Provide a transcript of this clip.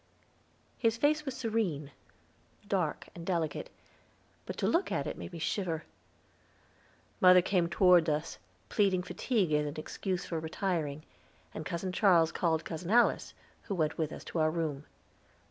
His face was serene, dark, and delicate, but to look at it made me shiver. Mother came toward us, pleading fatigue as an excuse for retiring, and Cousin Charles called Cousin Alice, who went with us to our room.